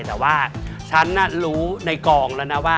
แต่ว่าฉันน่ะรู้ในกองแล้วนะว่า